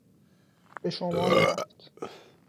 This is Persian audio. به شمال رفت.